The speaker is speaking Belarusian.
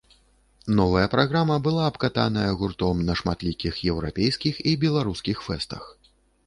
Новая праграма была абкатаная гуртом на шматлікіх еўрапейскіх і беларускіх фэстах.